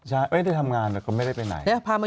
มาน้ำน่ารักมันยกเลิกไปแล้ว